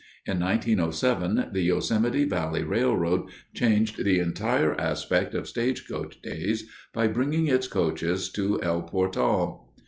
In 1907 the Yosemite Valley Railroad changed the entire aspect of stagecoach days by bringing its coaches to El Portal.